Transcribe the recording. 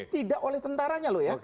tidak oleh tentaranya loh ya